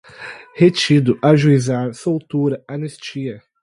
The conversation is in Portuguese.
retido, ajuizar, soltura, anistia